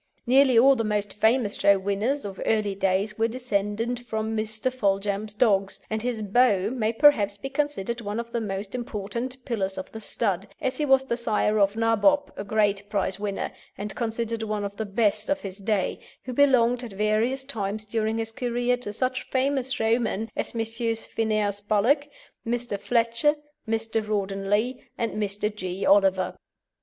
Nearly all the most famous show winners of early days were descended from Mr. Foljambe's dogs, and his Beau may perhaps be considered one of the most important "pillars of the stud," as he was the sire of Nabob, a great prize winner, and considered one of the best of his day, who belonged at various times during his career to such famous showmen as Messrs. Phineas Bullock, Mr. Fletcher, Mr. Rawdon Lee, and Mr. G. Oliver.